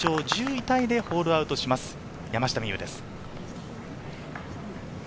１０位タイでホールアウトします、山下美夢有です。